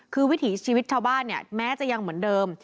คือวิถีชีวิตเท่าบ้านแม้จะยังเหมือนเดิม